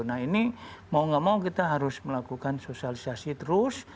nah ini mau gak mau kita harus melakukan sosialisasi terus